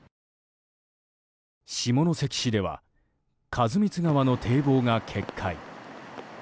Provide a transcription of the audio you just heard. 下関市では員光川の堤防が決壊。